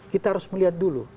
kita harus melihat dulu